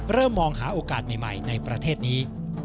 เริ่มมองหาโอกาสใหม่ในประเทศนี้